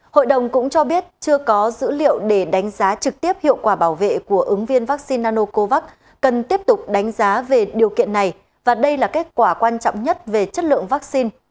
hội đồng cũng cho biết chưa có dữ liệu để đánh giá trực tiếp hiệu quả bảo vệ của ứng viên vaccine nanocovax cần tiếp tục đánh giá về điều kiện này và đây là kết quả quan trọng nhất về chất lượng vaccine